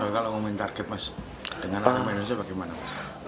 kalau mau main target mas dengan arema indonesia bagaimana